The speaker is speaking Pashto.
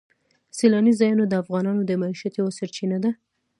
سیلاني ځایونه د افغانانو د معیشت یوه سرچینه ده.